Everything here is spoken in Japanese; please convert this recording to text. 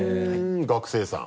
学生さん？